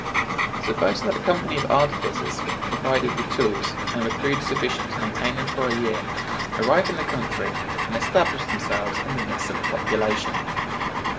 Suppose that a company of artificers, provided with tools, and with food sufficient to maintain them for a year, arrive in the country and establish themselves in the midst of the population.